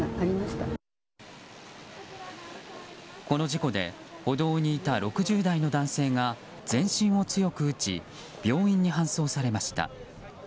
この事故で歩道にいた６０代の男性が全身を強く打ち病院に搬送されました。